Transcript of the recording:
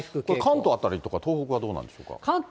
これ、関東辺りとか、東北はどうなんでしょうか。